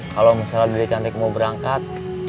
kalau misalnya dari cantik mau berangkat